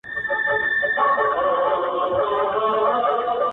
• او تر اوسه مي نه مادي -